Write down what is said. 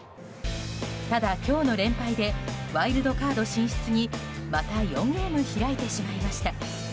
ただ、今日の連敗でワイルドカード進出にまた４ゲーム開いてしまいました。